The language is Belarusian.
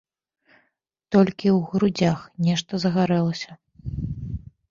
Толькі ў грудзях нешта загарэлася.